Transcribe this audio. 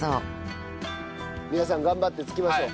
皆さん頑張ってつきましょう。